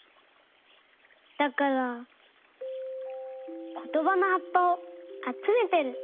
だからことばのはっぱをあつめてる。